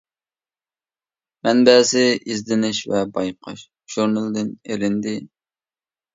مەنبەسى: «ئىزدىنىش ۋە بايقاش» ژۇرنىلىدىن ئېلىندى.